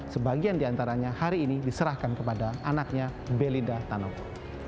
sebagian di antaranya hari ini diserahkan kepada anaknya belinda tanoko